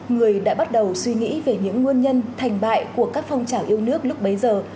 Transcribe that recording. người đã bắt đầu suy nghĩ về những nguyên nhân thành bại của các phong trào yêu nước lúc bấy giờ